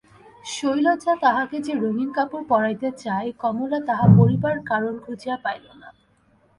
শৈলজা তাহাকে যে রঙিন কাপড় পরাইতে চায় কমলা তাহা পরিবার কারণ খুঁজিয়া পাইল না।